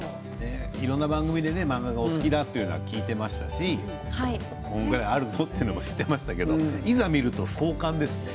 いろんな番組で漫画がお好きだと聞いていますしこれぐらいあると知っていましたけれども、いざ見ると壮観ですね。